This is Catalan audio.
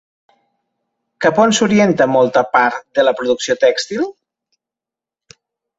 Cap on s'orientà molta part de la producció tèxtil?